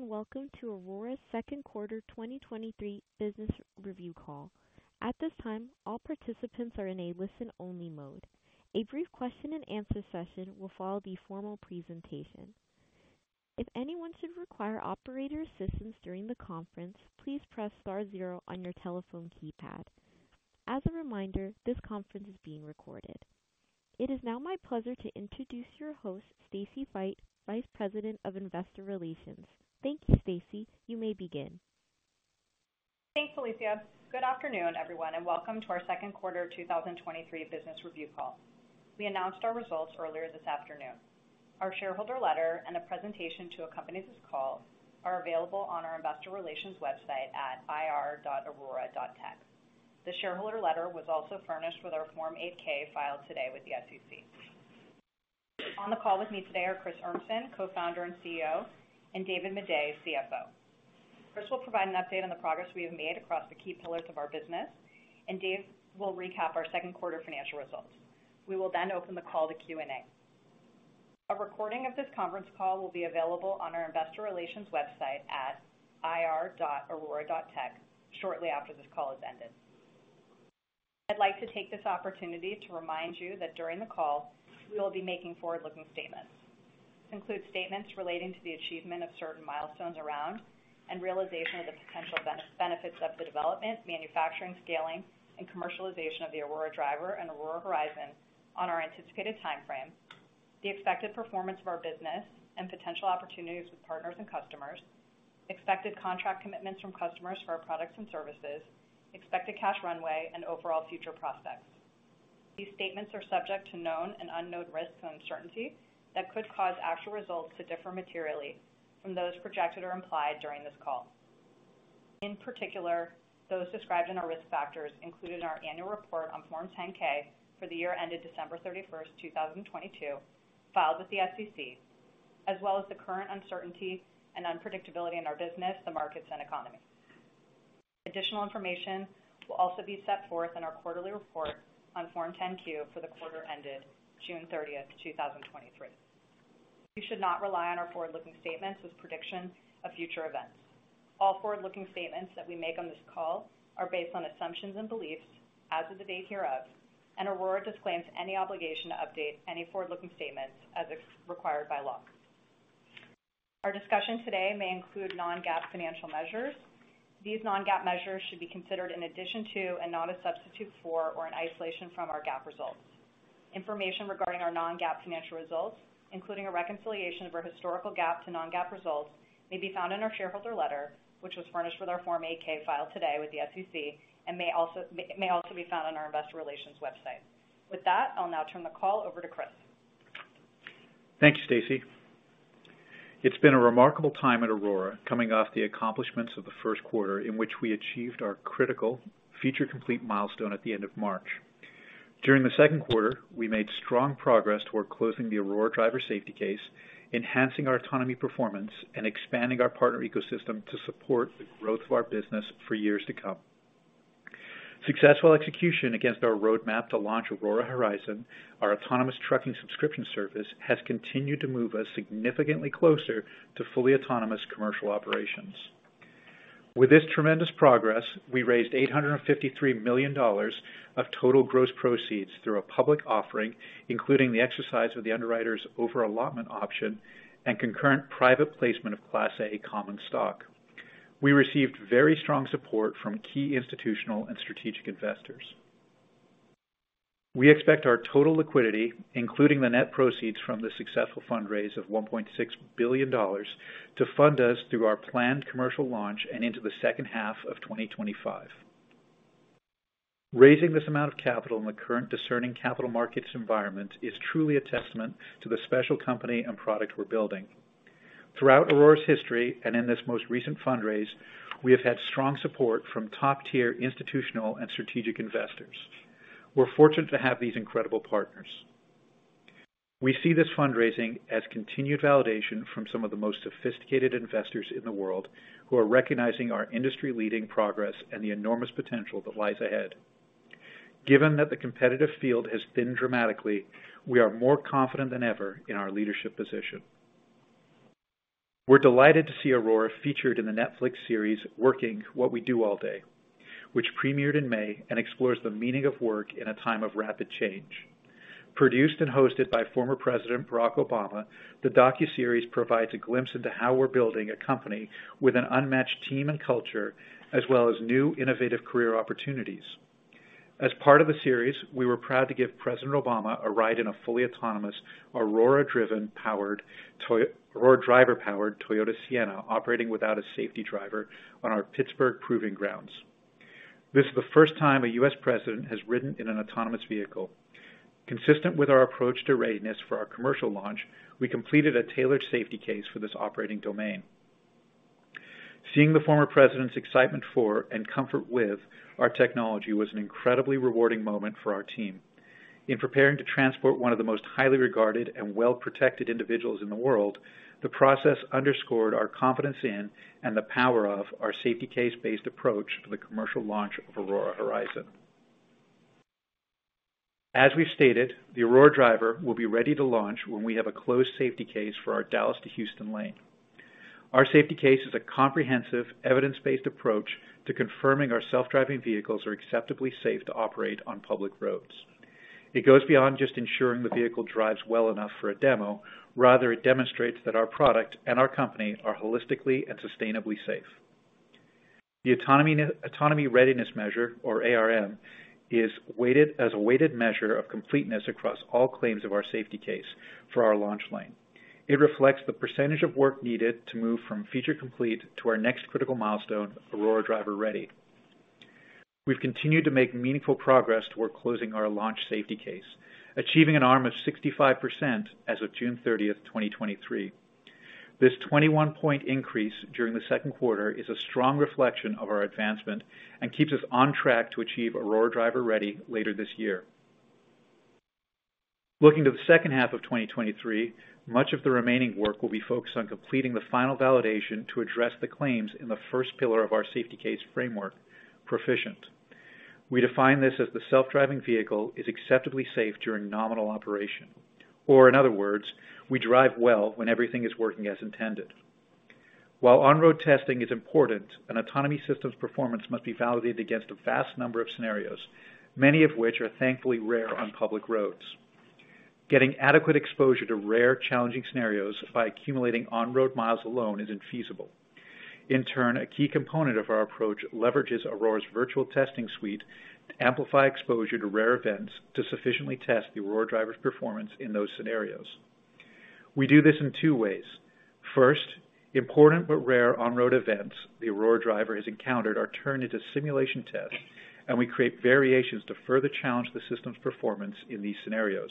Good evenings, Welcome to Aurora's Q2 2023 Business Review Call. At this time, all participants are in a listen-only mode. A brief question and answer session will follow the formal presentation. If anyone should require operator assistance during the conference, please press star 0 on your telephone keypad. As a reminder, this conference is being recorded. It is now my pleasure to introduce your host, Stacy Feit, Vice President of Investor Relations. Thank you, Stacy. You may begin. Thanks, Alicia. Good afternoon, everyone, welcome to our Q2 2023 business review call. We announced our results earlier this afternoon. Our shareholder letter and a presentation to accompany this call are available on our investor relations website at ir.aurora.tech. The shareholder letter was also furnished with our Form 8-K filed today with the SEC. On the call with me today are Chris Urmson, Co-founder and CEO, and David Maday, CFO. Chris will provide an update on the progress we have made across the key pillars of our business, Dave will recap our Q2 Financial Results. We will open the call to Q&A. A recording of this conference call will be available on our investor relations website at ir.aurora.tech shortly after this call has ended. I'd like to take this opportunity to remind you that during the call, we will be making forward-looking statements. This includes statements relating to the achievement of certain milestones around and realization of the potential benefits of the development, manufacturing, scaling, and commercialization of the Aurora Driver and Aurora Horizon on our anticipated timeframe, the expected performance of our business and potential opportunities with partners and customers, expected contract commitments from customers for our products and services, expected cash runway and overall future prospects. These statements are subject to known and unknown risks and uncertainties that could cause actual results to differ materially from those projected or implied during this call. In particular, those described in our risk factors included in our annual report on Form 10-K for the year ended December 31, 2022, filed with the SEC, as well as the current uncertainty and unpredictability in our business, the markets and economy. Additional information will also be set forth in our quarterly report on Form 10-Q for the quarter ended June 30, 2023. You should not rely on our forward-looking statements as prediction of future events. All forward-looking statements that we make on this call are based on assumptions and beliefs as of the date hereof, and Aurora disclaims any obligation to update any forward-looking statements as required by law. Our discussion today may include non-GAAP financial measures. These non-GAAP measures should be considered in addition to and not a substitute for or an isolation from, our GAAP results. Information regarding our non-GAAP financial results, including a reconciliation of our historical GAAP to non-GAAP results, may be found in our shareholder letter, which was furnished with our Form 8-K filed today with the SEC, and may also, may also be found on our investor relations website. With that, I'll now turn the call over to Chris. Thank you, Stacy. It's been a remarkable time at Aurora, coming off the accomplishments of the Q1, in which we achieved our critical feature complete milestone at the end of March. During the Q2, we made strong progress toward closing the Aurora Driver safety case, enhancing our autonomy performance, and expanding our partner ecosystem to support the growth of our business for years to come. Successful execution against our roadmap to launch Aurora Horizon, our autonomous trucking subscription service, has continued to move us significantly closer to fully autonomous commercial operations. With this tremendous progress, we raised $853 million of total gross proceeds through a public offering, including the exercise of the underwriter's over-allotment option and concurrent private placement of Class A common stock. We received very strong support from key institutional and strategic investors. We expect our total liquidity, including the net proceeds from the successful fundraise of $1.6 billion, to fund us through our planned commercial launch and into the second half of 2025. Raising this amount of capital in the current discerning capital markets environment is truly a testament to the special company and product we're building. Throughout Aurora's history and in this most recent fundraise, we have had strong support from top-tier institutional and strategic investors. We're fortunate to have these incredible partners. We see this fundraising as continued validation from some of the most sophisticated investors in the world, who are recognizing our industry-leading progress and the enormous potential that lies ahead. Given that the competitive field has thinned dramatically, we are more confident than ever in our leadership position. We're delighted to see Aurora featured in the Netflix series, Working: What We Do All Day, which premiered in May and explores the meaning of work in a time of rapid change. Produced and hosted by former President Barack Obama, the docuseries provides a glimpse into how we're building a company with an unmatched team and culture, as well as new innovative career opportunities. As part of the series, we were proud to give President Obama a ride in a fully autonomous, Aurora Driver-powered Toyota Sienna, operating without a safety driver on our Pittsburgh proving grounds. This is the first time a U.S. president has ridden in an autonomous vehicle. Consistent with our approach to readiness for our commercial launch, we completed a tailored safety case for this operating domain. Seeing the former president's excitement for, and comfort with our technology was an incredibly rewarding moment for our team. In preparing to transport one of the most highly regarded and well-protected individuals in the world, the process underscored our confidence in and the power of our safety case-based approach to the commercial launch of Aurora Horizon. As we've stated, the Aurora Driver will be ready to launch when we have a closed safety case for our Dallas to Houston lane. Our safety case is a comprehensive, evidence-based approach to confirming our self-driving vehicles are acceptably safe to operate on public roads. It goes beyond just ensuring the vehicle drives well enough for a demo. Rather, it demonstrates that our product and our company are holistically and sustainably safe. The autonomy, autonomy readiness measure, or ARM, is weighted as a weighted measure of completeness across all claims of our safety case for our launch lane. It reflects the percentage of work needed to move from feature complete to our next critical milestone, Aurora Driver Ready. We've continued to make meaningful progress toward closing our launch safety case, achieving an ARM of 65% as of June 30, 2023. This 21-point increase during the Q2 is a strong reflection of our advancement and keeps us on track to achieve Aurora Driver Ready later this year. Looking to the second half of 2023, much of the remaining work will be focused on completing the final validation to address the claims in the first pillar of our safety case framework, Proficient. We define this as the self-driving vehicle is acceptably safe during nominal operation, or in other words, we drive well when everything is working as intended. While on-road testing is important, an autonomy system's performance must be validated against a vast number of scenarios, many of which are thankfully rare on public roads. Getting adequate exposure to rare, challenging scenarios by accumulating on-road miles alone is infeasible. In turn, a key component of our approach leverages Aurora's virtual testing suite to amplify exposure to rare events, to sufficiently test the Aurora Driver's performance in those scenarios. We do this in two ways. First, important but rare on-road events the Aurora Driver has encountered are turned into simulation tests, and we create variations to further challenge the system's performance in these scenarios.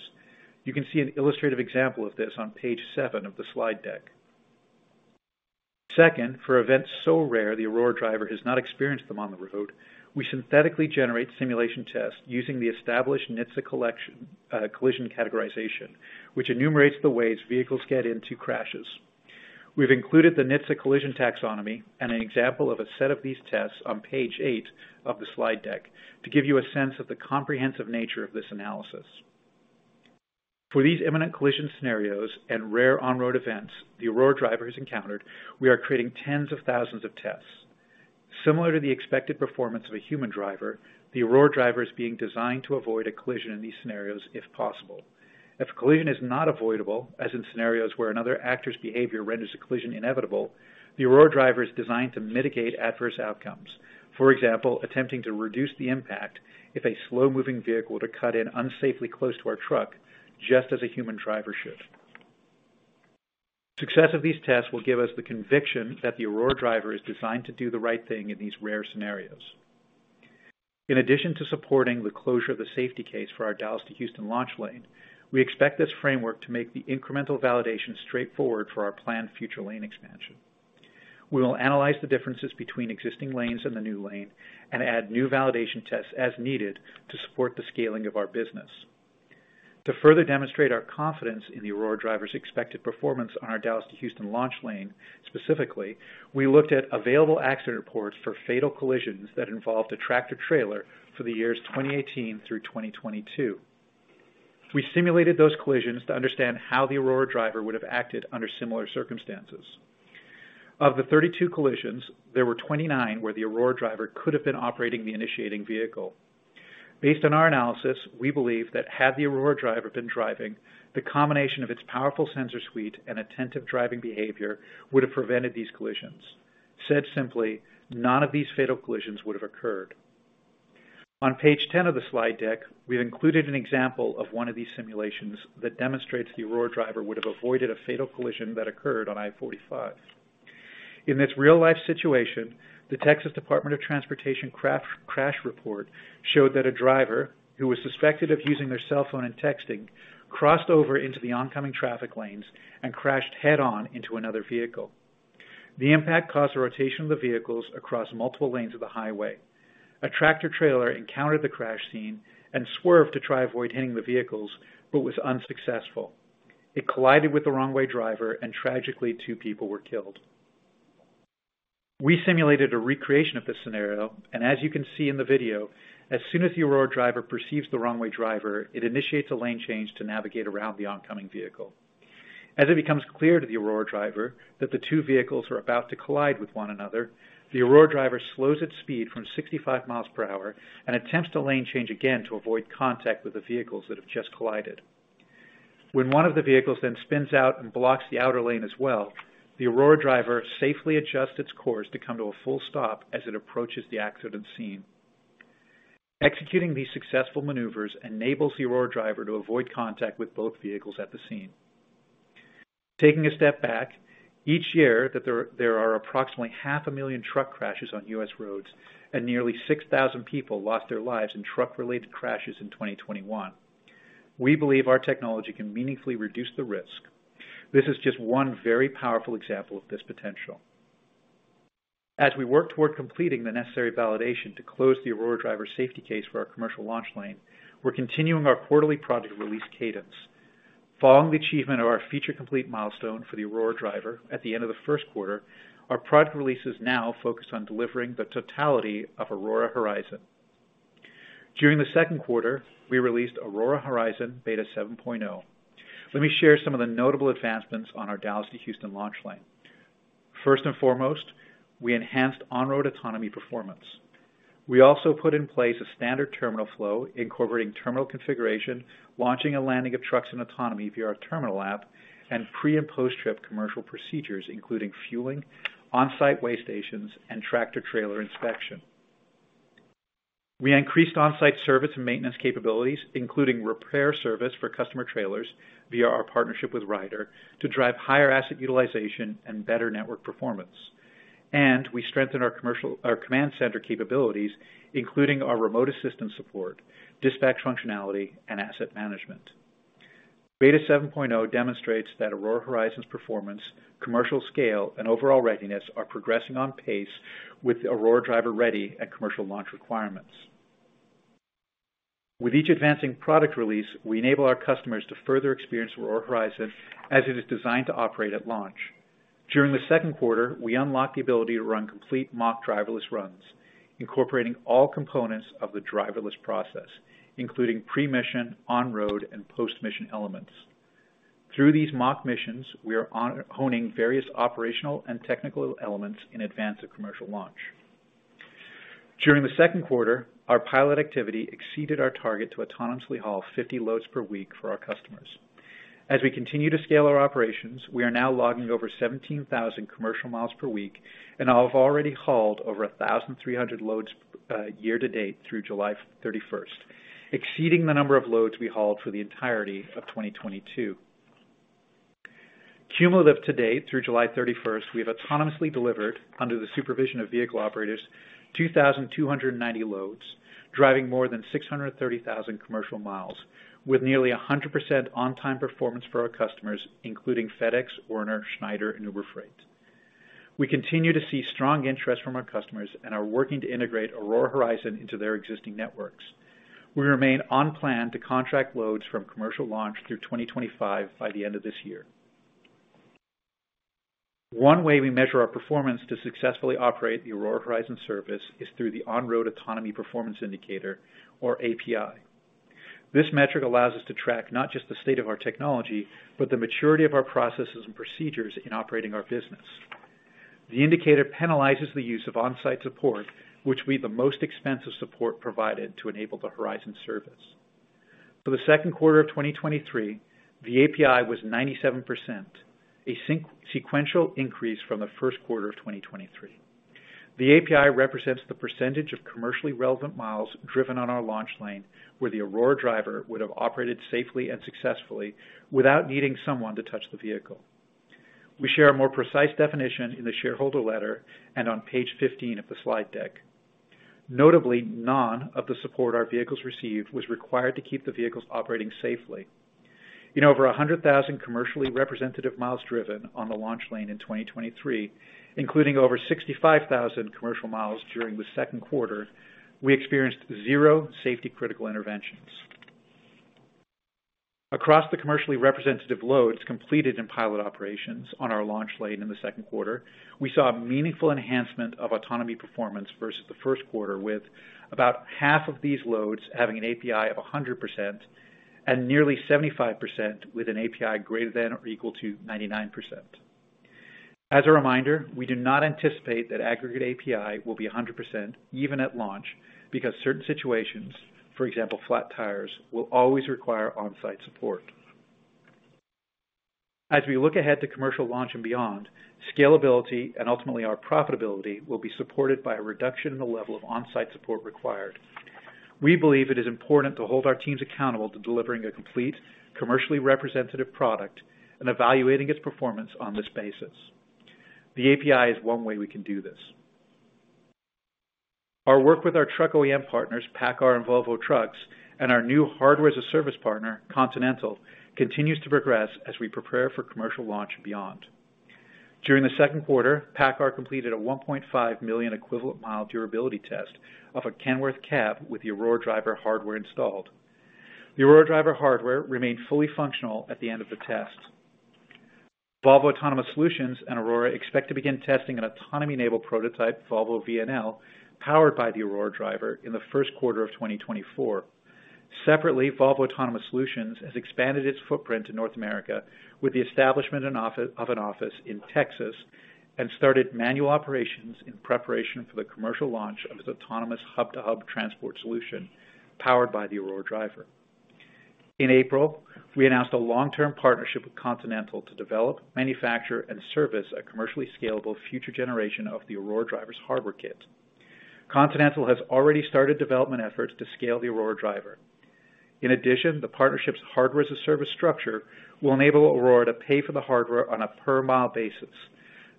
You can see an illustrative example of this on page seven of the slide deck. Second, for events so rare the Aurora Driver has not experienced them on the road, we synthetically generate simulation tests using the established NHTSA Collection, Collision categorization, which enumerates the ways vehicles get into crashes. We've included the NHTSA collision taxonomy and an example of a set of these tests on page 8 of the slide deck, to give you a sense of the comprehensive nature of this analysis. For these imminent collision scenarios and rare on-road events the Aurora Driver has encountered, we are creating tens of thousands of tests. Similar to the expected performance of a human driver, the Aurora Driver is being designed to avoid a collision in these scenarios, if possible. If a collision is not avoidable, as in scenarios where another actor's behavior renders a collision inevitable, the Aurora Driver is designed to mitigate adverse outcomes. For example, attempting to reduce the impact if a slow-moving vehicle were to cut in unsafely close to our truck, just as a human driver should. Success of these tests will give us the conviction that the Aurora Driver is designed to do the right thing in these rare scenarios. In addition to supporting the closure of the safety case for our Dallas to Houston launch lane, we expect this framework to make the incremental validation straightforward for our planned future lane expansion. We will analyze the differences between existing lanes and the new lane and add new validation tests as needed to support the scaling of our business. To further demonstrate our confidence in the Aurora Driver's expected performance on our Dallas to Houston launch lane, specifically, we looked at available accident reports for fatal collisions that involved a tractor-trailer for the years 2018 through 2022. We simulated those collisions to understand how the Aurora Driver would have acted under similar circumstances. Of the 32 collisions, there were 29 where the Aurora Driver could have been operating the initiating vehicle. Based on our analysis, we believe that had the Aurora Driver been driving, the combination of its powerful sensor suite and attentive driving behavior would have prevented these collisions. Said simply, none of these fatal collisions would have occurred. On page 10 of the slide deck, we've included an example of one of these simulations that demonstrates the Aurora Driver would have avoided a fatal collision that occurred on I-45. In this real-life situation, the Texas Department of Transportation crash, crash report showed that a driver, who was suspected of using their cell phone and texting, crossed over into the oncoming traffic lanes and crashed head-on into another vehicle. The impact caused a rotation of the vehicles across multiple lanes of the highway. A tractor-trailer encountered the crash scene and swerved to try to avoid hitting the vehicles, but was unsuccessful. It collided with the wrong-way driver and tragically, 2 people were killed. We simulated a recreation of this scenario, and as you can see in the video, as soon as the Aurora Driver perceives the wrong-way driver, it initiates a lane change to navigate around the oncoming vehicle. As it becomes clear to the Aurora Driver that the 2 vehicles are about to collide with one another, the Aurora Driver slows its speed from 65 miles per hour and attempts to lane change again to avoid contact with the vehicles that have just collided. When one of the vehicles then spins out and blocks the outer lane as well, the Aurora Driver safely adjusts its course to come to a full stop as it approaches the accident scene. Executing these successful maneuvers enables the Aurora Driver to avoid contact with both vehicles at the scene. Taking a step back, each year, that there, there are approximately half a million truck crashes on U.S. roads, and nearly 6,000 people lost their lives in truck-related crashes in 2021. We believe our technology can meaningfully reduce the risk. This is just one very powerful example of this potential. As we work toward completing the necessary validation to close the Aurora Driver safety case for our commercial launch lane, we're continuing our quarterly product release cadence... Following the achievement of our feature complete milestone for the Aurora Driver at the end of the Q1, our product release is now focused on delivering the totality of Aurora Horizon. During the Q2, we released Aurora Horizon Beta 7.0. Let me share some of the notable advancements on our Dallas to Houston launch lane. First and foremost, we enhanced on-road autonomy performance. We also put in place a standard terminal flow, incorporating terminal configuration, launching and landing of trucks and autonomy via our terminal app, and pre- and post-trip commercial procedures, including fueling, on-site weigh stations, and tractor-trailer inspection. We increased on-site service and maintenance capabilities, including repair service for customer trailers via our partnership with Ryder, to drive higher asset utilization and better network performance. We strengthened our command center capabilities, including our remote assistance support, dispatch functionality, and asset management. Beta 7.0 demonstrates that Aurora Horizon's performance, commercial scale, and overall readiness are progressing on pace with Aurora Driver Ready at commercial launch requirements. With each advancing product release, we enable our customers to further experience Aurora Horizon as it is designed to operate at launch. During the Q2, we unlocked the ability to run complete mock driverless runs, incorporating all components of the driverless process, including pre-mission, on-road, and post-mission elements. Through these mock missions, we are honing various operational and technical elements in advance of commercial launch. During the Q2, our pilot activity exceeded our target to autonomously haul 50 loads per week for our customers. As we continue to scale our operations, we are now logging over 17,000 commercial miles per week, and have already hauled over 1,300 loads year-to-date through July 31st, exceeding the number of loads we hauled for the entirety of 2022. Cumulative to date, through July 31st, we have autonomously delivered, under the supervision of vehicle operators, 2,290 loads, driving more than 630,000 commercial miles, with nearly 100% on-time performance for our customers, including FedEx, Werner, Schneider, and Uber Freight. We continue to see strong interest from our customers and are working to integrate Aurora Horizon into their existing networks. We remain on plan to contract loads from commercial launch through 2025 by the end of this year. One way we measure our performance to successfully operate the Aurora Horizon service is through the on-road autonomy performance indicator, or API. This metric allows us to track not just the state of our technology, but the maturity of our processes and procedures in operating our business. The indicator penalizes the use of on-site support, which be the most expensive support provided to enable the Horizon service. For the Q2 of 2023, the API was 97%, a sequential increase from the firstQ1 of 2023. The API represents the percentage of commercially relevant miles driven on our launch lane, where the Aurora Driver would have operated safely and successfully without needing someone to touch the vehicle. We share a more precise definition in the shareholder letter and on page 15 of the slide deck. Notably, none of the support our vehicles received was required to keep the vehicles operating safely. In over 100,000 commercially representative miles driven on the launch lane in 2023, including over 65,000 commercial miles during the Q2, we experienced 0 safety-critical interventions. Across the commercially representative loads completed in pilot operations on our launch lane in the Q2, we saw a meaningful enhancement of autonomy performance versus the Q1, with about half of these loads having an API of 100% and nearly 75% with an API greater than or equal to 99%. As a reminder, we do not anticipate that aggregate API will be 100% even at launch, because certain situations, for example, flat tires, will always require on-site support. As we look ahead to commercial launch and beyond, scalability and ultimately our profitability, will be supported by a reduction in the level of on-site support required. We believe it is important to hold our teams accountable to delivering a complete, commercially representative product and evaluating its performance on this basis. The API is one way we can do this. Our work with our truck OEM partners, PACCAR and Volvo Trucks, and our new hardware-as-a-service partner, Continental, continues to progress as we prepare for commercial launch and beyond. During the Q2, PACCAR completed a 1.5 million equivalent mile durability test of a Kenworth cab with the Aurora Driver hardware installed. The Aurora Driver hardware remained fully functional at the end of the test. Volvo Autonomous Solutions and Aurora expect to begin testing an autonomy-enabled prototype, Volvo VNL, powered by the Aurora Driver, in the Q1 of 2024. Separately, Volvo Autonomous Solutions has expanded its footprint in North America with the establishment and of an office in Texas, and started manual operations in preparation for the commercial launch of its autonomous hub-to-hub transport solution, powered by the Aurora Driver. In April, we announced a long-term partnership with Continental to develop, manufacture, and service a commercially scalable future generation of the Aurora Driver's hardware kit. Continental has already started development efforts to scale the Aurora Driver. In addition, the partnership's hardware-as-a-service structure will enable Aurora to pay for the hardware on a per-mile basis.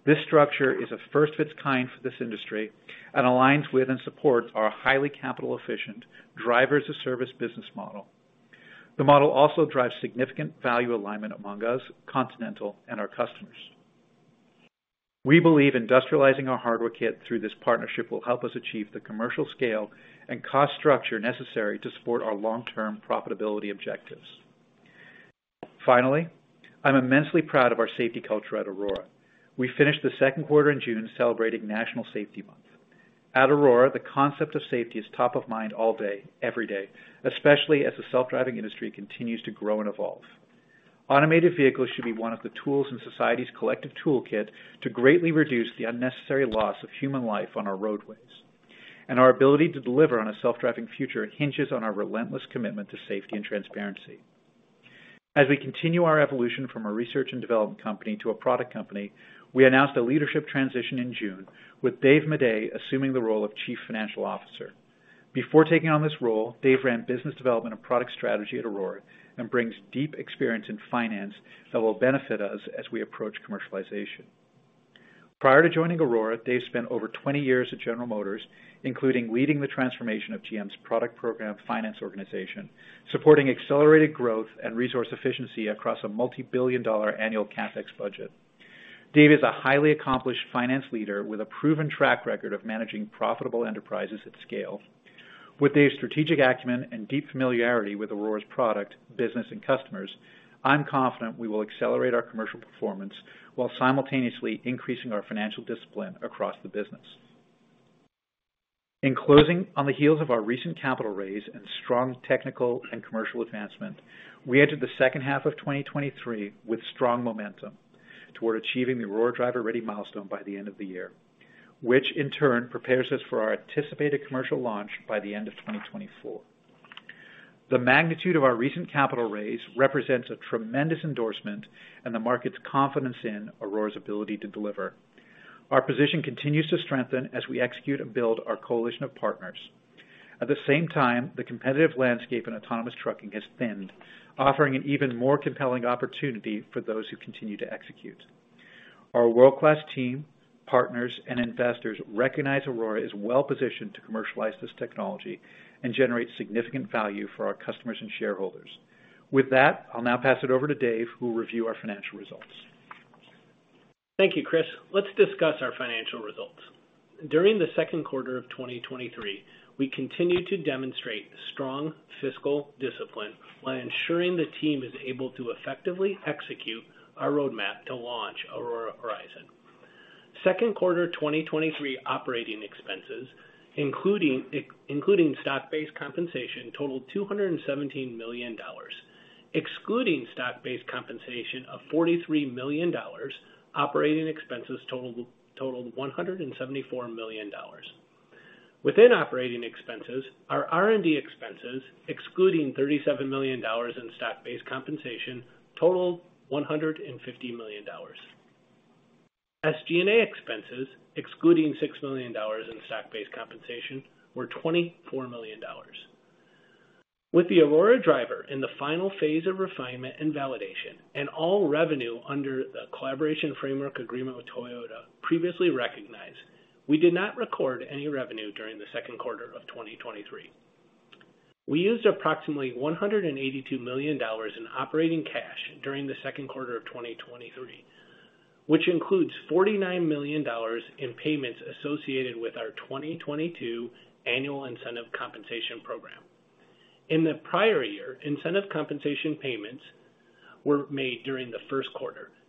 This structure is a first of its kind for this industry and aligns with and supports our highly capital-efficient driver-as-a-service business model. The model also drives significant value alignment among us, Continental, and our customers. We believe industrializing our hardware kit through this partnership will help us achieve the commercial scale and cost structure necessary to support our long-term profitability objectives. Finally, I'm immensely proud of our safety culture at Aurora. We finished the Q2 in June, celebrating National Safety Month. At Aurora, the concept of safety is top of mind all day, every day, especially as the self-driving industry continues to grow and evolve. Automated vehicles should be one of the tools in society's collective toolkit to greatly reduce the unnecessary loss of human life on our roadways. Our ability to deliver on a self-driving future hinges on our relentless commitment to safety and transparency. As we continue our evolution from a research and development company to a product company, we announced a leadership transition in June with Dave Maday assuming the role of Chief Financial Officer. Before taking on this role, Dave ran business development and product strategy at Aurora and brings deep experience in finance that will benefit us as we approach commercialization. Prior to joining Aurora, Dave spent over 20 years at General Motors, including leading the transformation of GM's product program finance organization, supporting accelerated growth and resource efficiency across a multibillion-dollar annual CapEx budget. Dave is a highly accomplished finance leader with a proven track record of managing profitable enterprises at scale. With Dave's strategic acumen and deep familiarity with Aurora's product, business, and customers, I'm confident we will accelerate our commercial performance while simultaneously increasing our financial discipline across the business. In closing, on the heels of our recent capital raise and strong technical and commercial advancement, we entered the second half of 2023 with strong momentum toward achieving the Aurora Driver Ready milestone by the end of the year, which in turn prepares us for our anticipated commercial launch by the end of 2024. The magnitude of our recent capital raise represents a tremendous endorsement and the market's confidence in Aurora's ability to deliver. Our position continues to strengthen as we execute and build our coalition of partners. At the same time, the competitive landscape in autonomous trucking has thinned, offering an even more compelling opportunity for those who continue to execute. Our world-class team, partners, and investors recognize Aurora is well positioned to commercialize this technology and generate significant value for our customers and shareholders. With that, I'll now pass it over to Dave, who will review our financial results. Thank you, Chris. Let's discuss our financial results. During the Q2 of 2023, we continued to demonstrate strong fiscal discipline while ensuring the team is able to effectively execute our roadmap to launch Aurora Horizon. Q2 2023 operating expenses, including stock-based compensation, totaled $217 million. Excluding stock-based compensation of $43 million, operating expenses totaled $174 million. Within operating expenses, our R&D expenses, excluding $37 million in stock-based compensation, totaled $150 million. SG&A expenses, excluding $6 million in stock-based compensation, were $24 million. With the Aurora Driver in the final phase of refinement and validation, and all revenue under the collaboration framework agreement with Toyota previously recognized, we did not record any revenue during the Q2 of 2023. We used approximately $182 million in operating cash during the Q2 of 2023, which includes $49 million in payments associated with our 2022 annual incentive compensation program. In the prior year, incentive compensation payments were made during the Q1.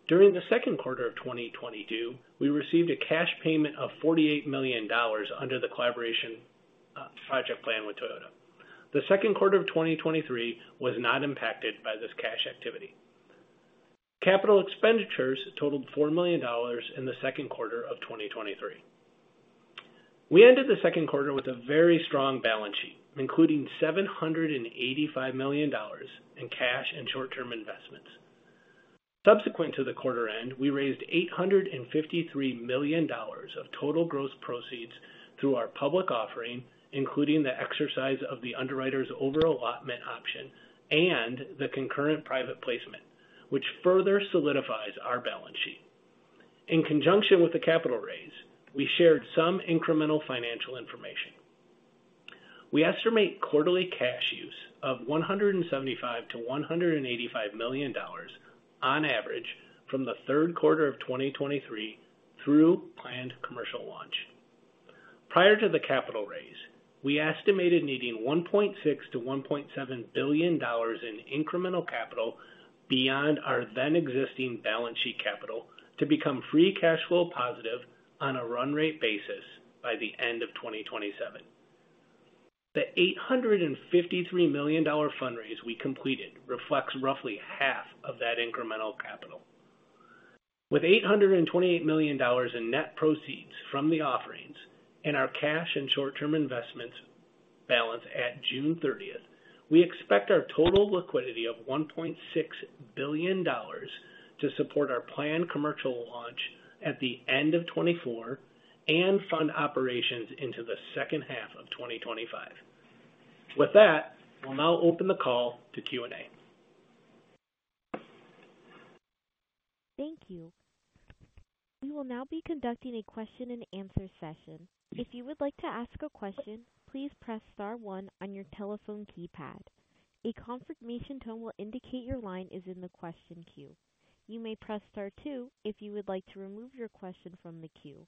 During the Q2 of 2022, we received a cash payment of $48 million under the collaboration project plan with Toyota. The Q2 of 2023 was not impacted by this cash activity. Capital expenditures totaled $4 million in the Q2 of 2023. We ended the Q2 with a very strong balance sheet, including $785 million in cash and short-term investments. Subsequent to the quarter end, we raised $853 million of total gross proceeds through our public offering, including the exercise of the underwriter's over-allotment option and the concurrent private placement, which further solidifies our balance sheet. In conjunction with the capital raise, we shared some incremental financial information. We estimate quarterly cash use of $175 million-$185 million on average from the Q3 of 2023 through planned commercial launch. Prior to the capital raise, we estimated needing $1.6 billion-$1.7 billion in incremental capital beyond our then existing balance sheet capital, to become free cash flow positive on a run rate basis by the end of 2027. The $853 million fundraise we completed reflects roughly half of that incremental capital. With $828 million in net proceeds from the offerings and our cash and short-term investments balance at June 30th, we expect our total liquidity of $1.6 billion to support our planned commercial launch at the end of 2024 and fund operations into the second half of 2025. With that, we'll now open the call to Q&A. Thank you. We will now be conducting a question and answer session. If you would like to ask a question, please press star one on your telephone keypad. A confirmation tone will indicate your line is in the question queue. You may press star two if you would like to remove your question from the queue.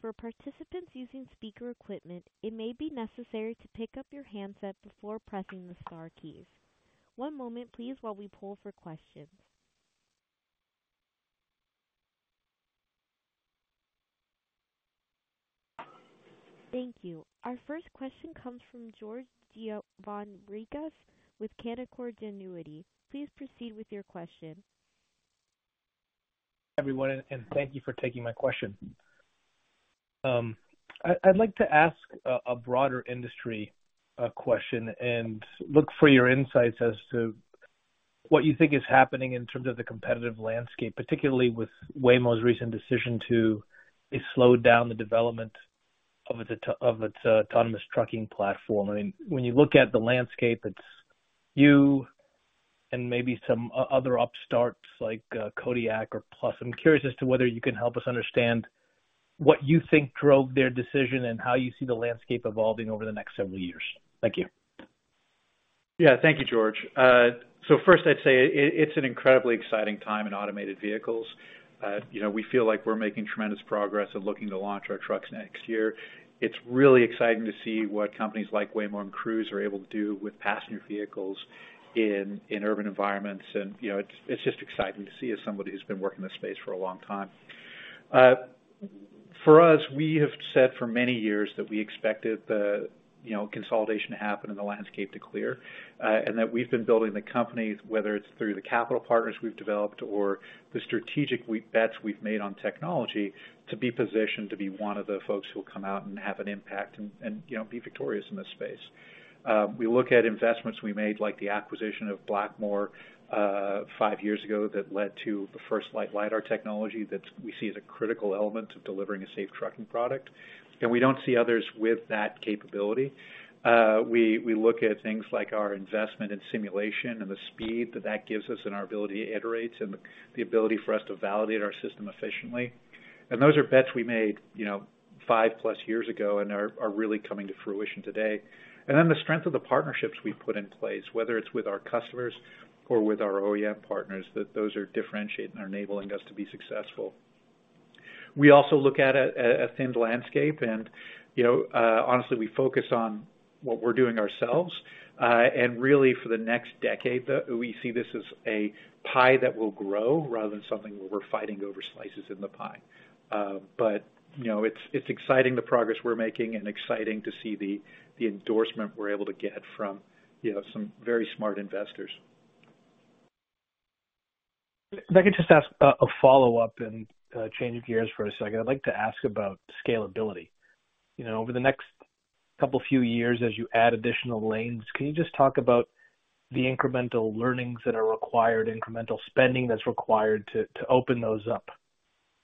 For participants using speaker equipment, it may be necessary to pick up your handset before pressing the star keys. One moment please, while we poll for questions. Thank you. Our first question comes from George Gianarikas with Canaccord Genuity. Please proceed with your question. Everyone, and thank you for taking my question. I, I'd like to ask a broader industry question and look for your insights as to what you think is happening in terms of the competitive landscape, particularly with Waymo's recent decision to slow down the development of its autonomous trucking platform. I mean, when you look at the landscape, it's you and maybe some other upstarts like Kodiak or Plus. I'm curious as to whether you can help us understand what you think drove their decision and how you see the landscape evolving over the next several years. Thank you. Yeah. Thank you, George. First I'd say it's an incredibly exciting time in automated vehicles. You know, we feel like we're making tremendous progress and looking to launch our trucks next year. It's really exciting to see what companies like Waymo and Cruise are able to do with passenger vehicles in, in urban environments. You know, it's, it's just exciting to see as somebody who's been working in this space for a long time. For us, we have said for many years that we expected the, you know, consolidation to happen and the landscape to clear, and that we've been building the companies, whether it's through the capital partners we've developed or the strategic bets we've made on technology, to be positioned to be one of the folks who will come out and have an impact and, and, you know, be victorious in this space. We look at investments we made, like the acquisition of Blackmore, five years ago, that led to the FirstLight Lidar technology that we see as a critical element of delivering a safe trucking product. We don't see others with that capability. We, we look at things like our investment in simulation and the speed that that gives us, and our ability to iterate and the, the ability for us to validate our system efficiently. Those are bets we made, you know, 5+ years ago and are, are really coming to fruition today. The strength of the partnerships we've put in place, whether it's with our customers or with our OEM partners, that those are differentiating and enabling us to be successful. We also look at a, a, a thin landscape and, you know, honestly, we focus on what we're doing ourselves. Really, for the next decade, we see this as a pie that will grow rather than something where we're fighting over slices in the pie. You know, it's, it's exciting the progress we're making and exciting to see the, the endorsement we're able to get from, you know, some very smart investors. If I could just ask a follow-up and change gears for a second. I'd like to ask about scalability. You know, over the next couple, few years, as you add additional lanes, can you just talk about the incremental learnings that are required, incremental spending that's required to open those up,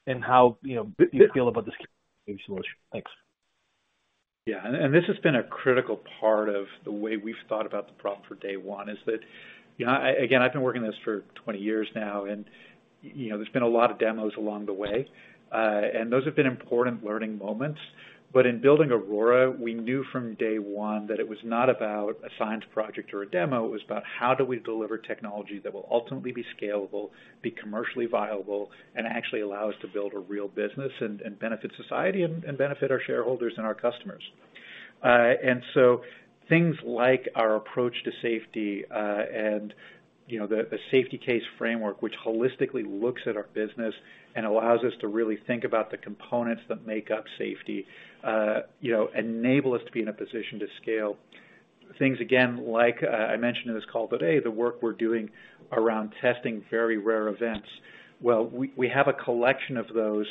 and how, you know, you feel about the solution? Thanks. Yeah, this has been a critical part of the way we've thought about the problem from day one, is that, you know, again, I've been working on this for 20 years now and, you know, there's been a lot of demos along the way. Those have been important learning moments. In building Aurora, we knew from day one that it was not about a science project or a demo. It was about how do we deliver technology that will ultimately be scalable, be commercially viable, and actually allow us to build a real business and, and benefit society and, and benefit our shareholders and our customers. So things like our approach to safety, and, you know, the Safety Case Framework, which holistically looks at our business and allows us to really think about the components that make up safety, you know, enable us to be in a position to scale. Things again, like I mentioned in this call today, the work we're doing around testing very rare events. Well, we have a collection of those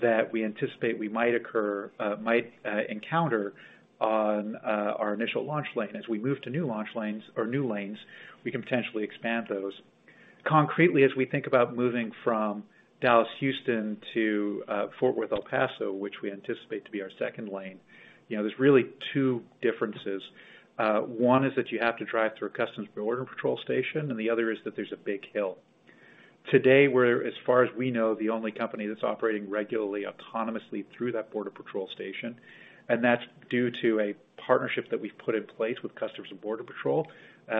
that we anticipate we might occur, might encounter on our initial launch lane. As we move to new launch lanes or new lanes, we can potentially expand those. Concretely, as we think about moving from Dallas to Houston to Fort Worth-El Paso, which we anticipate to be our second lane, you know, there's really 2 differences. One is that you have to drive through a Customs and Border Patrol station, and the other is that there's a big hill. Today, we're, as far as we know, the only company that's operating regularly, autonomously through that Border Patrol station, and that's due to a partnership that we've put in place with Customs and Border Patrol. You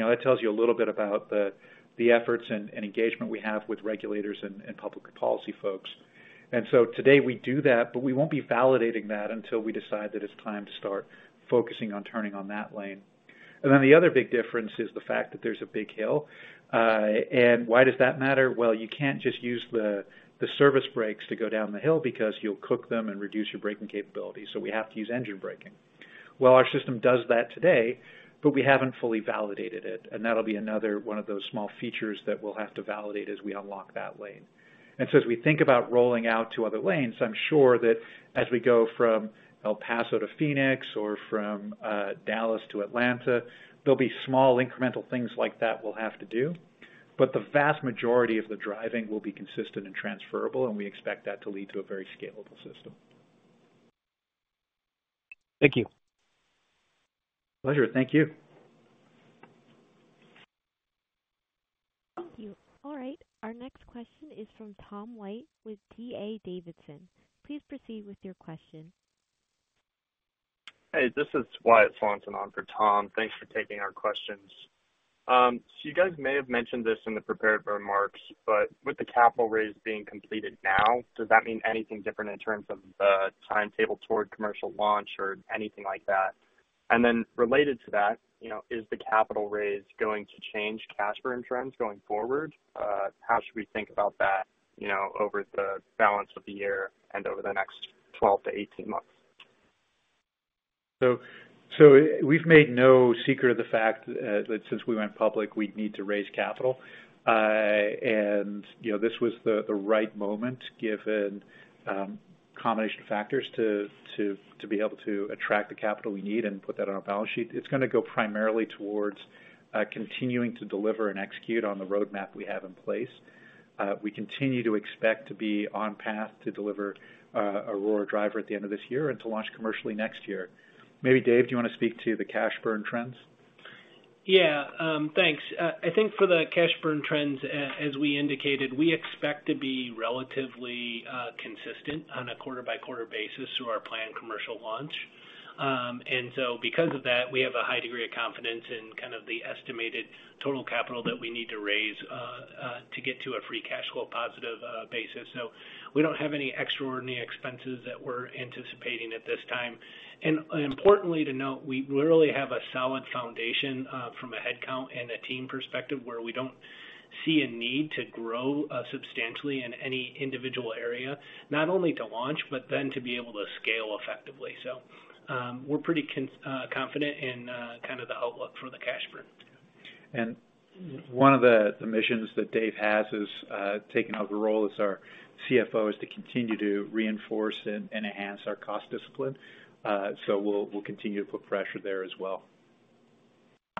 know, that tells you a little bit about the, the efforts and, and engagement we have with regulators and, and public policy folks. Today we do that, but we won't be validating that until we decide that it's time to start focusing on turning on that lane. The other big difference is the fact that there's a big hill. Why does that matter? Well, you can't just use the, the service brakes to go down the hill because you'll cook them and reduce your braking capability. We have to use engine braking. Well, our system does that today, but we haven't fully validated it, and that'll be another one of those small features that we'll have to validate as we unlock that lane. As we think about rolling out to other lanes, I'm sure that as we go from El Paso to Phoenix or from Dallas to Atlanta, there'll be small, incremental things like that we'll have to do, but the vast majority of the driving will be consistent and transferable, and we expect that to lead to a very scalable system. Thank you. Pleasure. Thank you.... Thank you. All right, our next question is from Tom White with D.A. Davidson. Please proceed with your question. Hey, this is Wyatt Swanson on for Tom. Thanks for taking our questions. You guys may have mentioned this in the prepared remarks, but with the capital raise being completed now, does that mean anything different in terms of the timetable toward commercial launch or anything like that? Related to that, you know, is the capital raise going to change cash burn trends going forward? How should we think about that, you know, over the balance of the year and over the next 12 to 18 months? So we've made no secret of the fact that since we went public, we'd need to raise capital. You know, this was the right moment, given combination of factors to be able to attract the capital we need and put that on our balance sheet. It's gonna go primarily towards continuing to deliver and execute on the roadmap we have in place. We continue to expect to be on path to deliver Aurora Driver at the end of this year and to launch commercially next year. Maybe, Dave, do you want to speak to the cash burn trends? Yeah, thanks. I think for the cash burn trends, as, as we indicated, we expect to be relatively consistent on a quarter-by-quarter basis through our planned commercial launch. Because of that, we have a high degree of confidence in kind of the estimated total capital that we need to raise to get to a free cash flow positive basis. We don't have any extraordinary expenses that we're anticipating at this time. Importantly to note, we really have a solid foundation from a headcount and a team perspective, where we don't see a need to grow substantially in any individual area, not only to launch, but then to be able to scale effectively. We're pretty confident in kind of the outlook for the cash burn. One of the, the missions that Dave has is taking over the role as our CFO, is to continue to reinforce and, and enhance our cost discipline. We'll, we'll continue to put pressure there as well.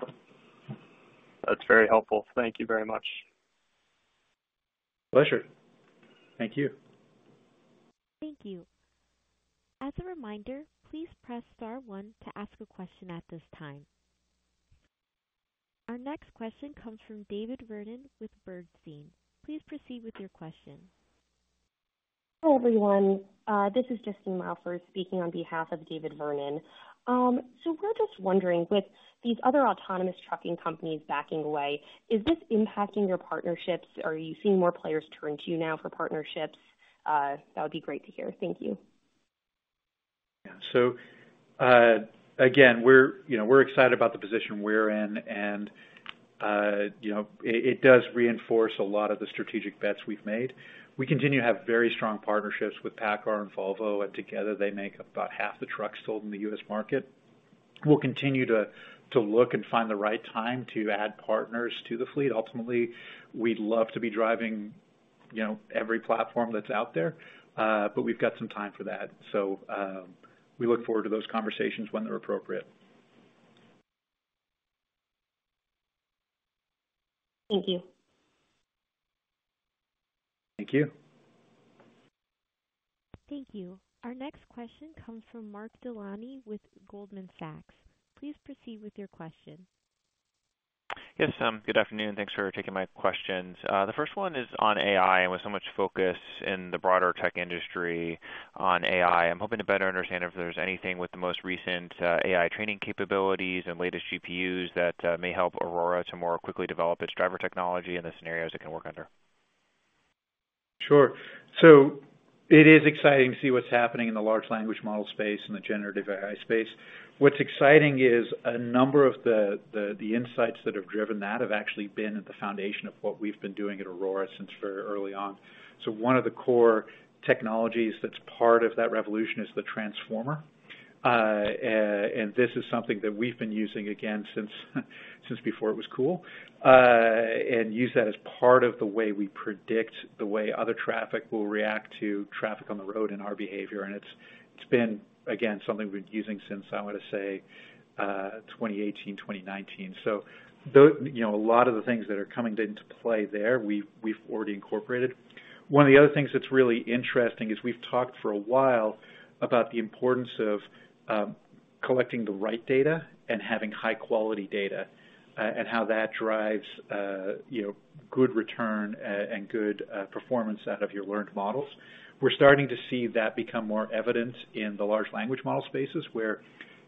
That's very helpful. Thank you very much. Pleasure. Thank you. Thank you. As a reminder, please press star one to ask a question at this time. Our next question comes from David Vernon with Bernstein. Please proceed with your question. Hello, everyone. This is Justine Laufer speaking on behalf of David Vernon. We're just wondering, with these other autonomous trucking companies backing away, is this impacting your partnerships? Are you seeing more players turn to you now for partnerships? That would be great to hear. Thank you. Yeah. Again, we're, you know, we're excited about the position we're in, and, you know, it, it does reinforce a lot of the strategic bets we've made. We continue to have very strong partnerships with PACCAR and Volvo, and together, they make up about half the trucks sold in the U.S. market. We'll continue to, to look and find the right time to add partners to the fleet. Ultimately, we'd love to be driving, you know, every platform that's out there, but we've got some time for that. We look forward to those conversations when they're appropriate. Thank you. Thank you. Thank you. Our next question comes from Mark Delaney with Goldman Sachs. Please proceed with your question. Yes, good afternoon. Thanks for taking my questions. The first one is on AI. With so much focus in the broader tech industry on AI, I'm hoping to better understand if there's anything with the most recent AI training capabilities and latest GPUs that may help Aurora to more quickly develop its driver technology and the scenarios it can work under. Sure. It is exciting to see what's happening in the large language model space and the generative AI space. What's exciting is a number of the, the, the insights that have driven that have actually been at the foundation of what we've been doing at Aurora since very early on. One of the core technologies that's part of that revolution is the transformer. This is something that we've been using again since, since before it was cool. Use that as part of the way we predict the way other traffic will react to traffic on the road and our behavior, and it's, it's been, again, something we've been using since, I want to say, 2018, 2019. The, you know, a lot of the things that are coming into play there, we've, we've already incorporated. One of the other things that's really interesting is we've talked for a while about the importance of collecting the right data and having high-quality data, and how that drives, you know, good return, and good performance out of your learned models. We're starting to see that become more evident in the large language model spaces, where,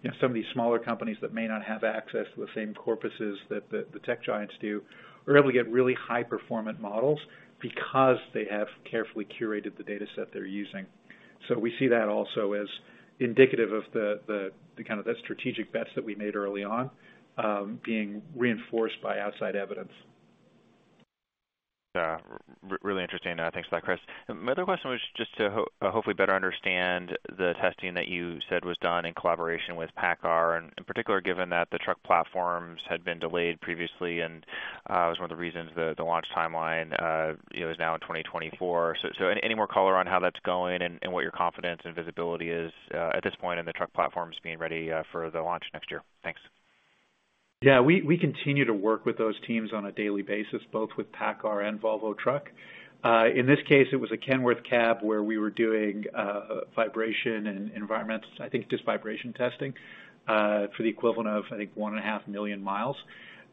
you know, some of these smaller companies that may not have access to the same corpuses that the, the tech giants do, are able to get really high-performant models because they have carefully curated the data set they're using. We see that also as indicative of the, the, the kind of the strategic bets that we made early on, being reinforced by outside evidence. Yeah. Really interesting. Thanks for that, Chris. My other question was just to hopefully better understand the testing that you said was done in collaboration with PACCAR, and in particular, given that the truck platforms had been delayed previously and was one of the reasons the, the launch timeline, you know, is now in 2024. Any more color on how that's going and what your confidence and visibility is at this point in the truck platforms being ready for the launch next year? Thanks. Yeah, we, we continue to work with those teams on a daily basis, both with PACCAR and Volvo Truck. In this case, it was a Kenworth cab where we were doing vibration and environments. I think just vibration testing for the equivalent of, I think, 1.5 million miles.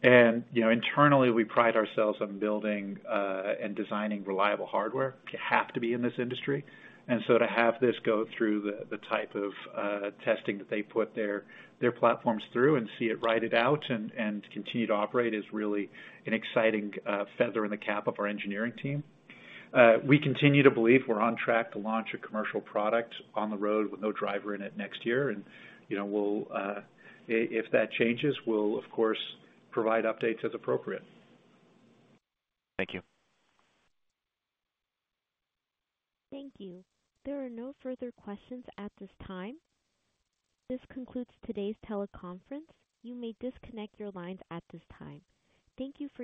You know, internally, we pride ourselves on building and designing reliable hardware. You have to be in this industry. So to have this go through the, the type of testing that they put their, their platforms through and see it ride it out and, and continue to operate, is really an exciting feather in the cap of our engineering team. We continue to believe we're on track to launch a commercial product on the road with no driver in it next year. You know, we'll, if that changes, we'll, of course, provide updates as appropriate. Thank you. Thank you. There are no further questions at this time. This concludes today's teleconference. You may disconnect your lines at this time. Thank you for-